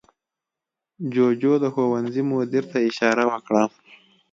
جوجو د ښوونځي مدیر ته اشاره وکړه.